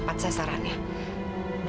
kalian ini sudah semmek twist